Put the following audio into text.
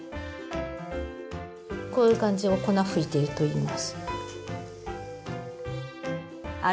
こういう感じを粉ふいてるといいます。